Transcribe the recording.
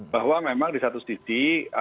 bahwa memang di satu sisi